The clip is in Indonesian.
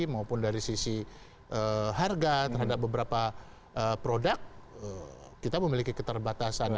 maupun dari sisi harga terhadap beberapa produk kita memiliki keterbatasan